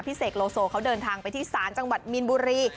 เสกโลโซเขาเดินทางไปที่ศาลจังหวัดมีนบุรี